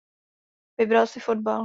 Vybral si fotbal.